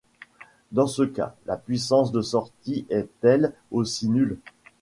Dans ce cas, la puissance de sortie est elle aussi nulle.